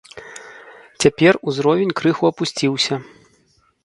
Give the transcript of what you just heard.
Цяпер узровень крыху апусціўся.